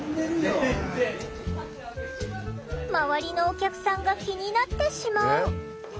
周りのお客さんが気になってしまう。